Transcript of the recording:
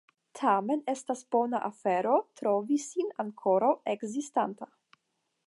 Tamen estas bona afero trovi sin ankoraŭ ekzistanta.